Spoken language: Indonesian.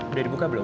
udah dibuka belum